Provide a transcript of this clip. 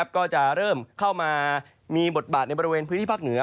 ก็จะเริ่มเข้ามามีบทบาทในบริเวณพื้นที่ภาคเหนือ